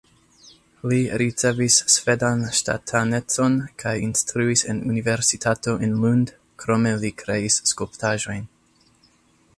Li ricevis svedan ŝtatanecon kaj instruis en universitato en Lund, krome li kreis skulptaĵojn.